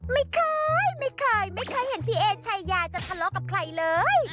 ไม่เคยไม่เคยเห็นพี่เอชายาจะทะเลาะกับใครเลย